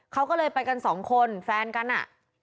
เขาก็เลยไปกันสองคนแฟนกันอ่ะ